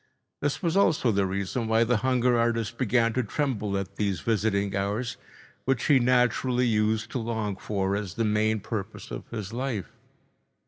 This was also the reason why the hunger artist began to tremble at these visiting hours, which he naturally used to long for as the main purpose of his life.